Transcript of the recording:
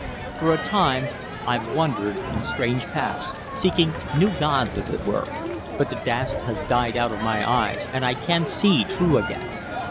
For a time I've wandered in strange paths, seeking new gods, as it were, but the dazzle has died out of my eyes and I can see true again.